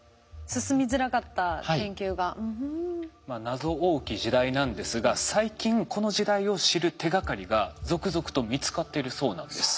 謎多き時代なんですが最近この時代を知る手がかりが続々と見つかっているそうなんです。